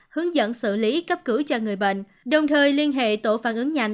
hướng dẫn xử lý cấp cứu cho người bệnh đồng thời liên hệ tổ phản ứng nhanh